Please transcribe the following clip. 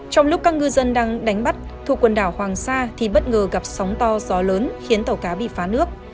trong lúc các ngư dân đang đánh bắt thuộc quần đảo hoàng sa thì bất ngờ gặp sóng to gió lớn khiến tàu cá bị phá nước